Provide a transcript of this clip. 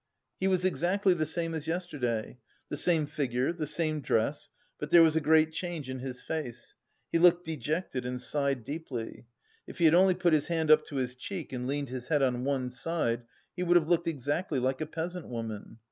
He was exactly the same as yesterday; the same figure, the same dress, but there was a great change in his face; he looked dejected and sighed deeply. If he had only put his hand up to his cheek and leaned his head on one side he would have looked exactly like a peasant woman.